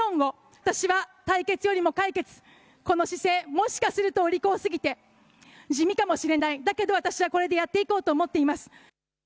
私は対決よりも解決、この姿勢、もしかするとお利口すぎて地味かもしれない、だけど私はこれでやっていこうと思っています。